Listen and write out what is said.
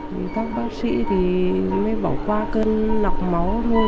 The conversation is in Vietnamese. thì các bác sĩ thì mới bỏ qua cơn nọc máu thôi